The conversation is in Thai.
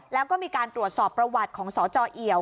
แล้วก็มีการตรวจสอบประวัติของสจเอี่ยว